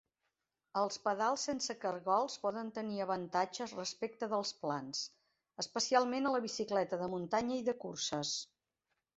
Els pedals sense cargols poden tenir avantatges respecte dels plans, especialment a la bicicleta de muntanya i de curses.